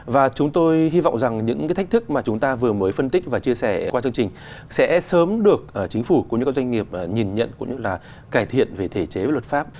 và chúng tôi hy vọng rằng những cái thách thức mà chúng ta vừa mới phân tích và chia sẻ qua chương trình sẽ sớm được chính phủ cũng như các doanh nghiệp nhìn nhận cũng như là cải thiện về thể chế và luật pháp